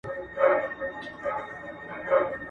د غرونو لاري هواري نه دي.